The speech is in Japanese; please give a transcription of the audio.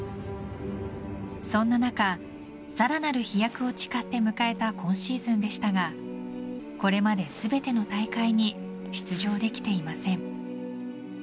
そんな中、さらなる飛躍を誓って迎えた今シーズンでしたがこれまで全ての大会に出場できていません。